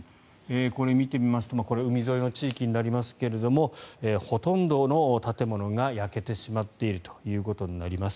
これ見てみますと海沿いの地域になりますがほとんどの建物が焼けてしまっているということになります。